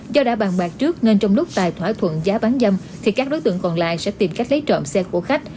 do đã bàn bạc trước nên trong lúc tài thỏa thuận giá bán dâm thì các đối tượng còn lại sẽ tìm cách lấy trộm xe của khách